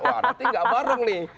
wah nanti nggak bareng nih